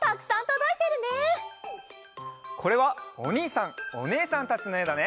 これはおにいさんおねえさんたちのえだね。